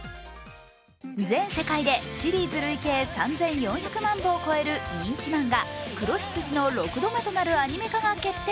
全世界でシリーズ累計３４００万部を超える人気漫画「黒執事」の６度目となるアニメ化が決定。